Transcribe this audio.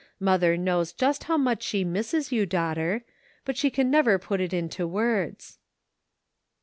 Mother knows just how much she misses you, daughter, but she can never put it into words."